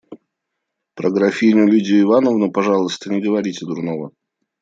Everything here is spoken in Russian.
Про графиню Лидию Ивановну, пожалуйста, не говорите дурного.